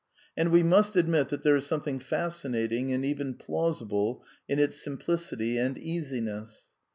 And we must admit that there is something fascinating and even plansihle in its sim plicity and easiness.